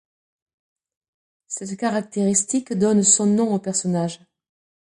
Cette caractéristique donne son nom au personnage.